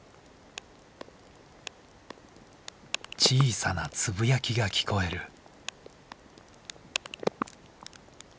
小さなつぶやきが聞こえる。